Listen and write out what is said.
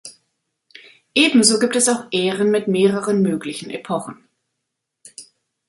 Ebenso gibt es auch Ären mit mehreren möglichen Epochen.